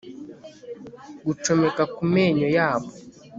gucomeka ku menyo yabo